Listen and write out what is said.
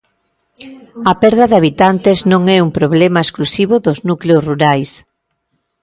A perda de habitantes non é un problema exclusivo dos núcleos rurais.